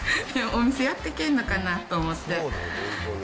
お店やっていけんのかなと思って。